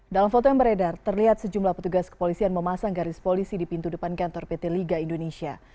dalam foto yang beredar terlihat sejumlah petugas kepolisian memasang garis polisi di pintu depan kantor pt liga indonesia